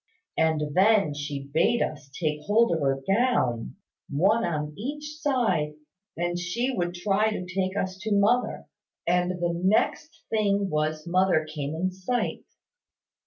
And then she bade us take hold of her gown, one on each side, and she would try to take us to mother; and the next thing was mother came in sight.